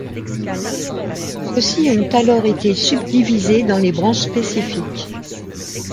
Ceux-ci ont alors été subdivisés dans les branches spécifiques.